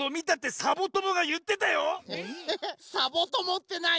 サボともってなに？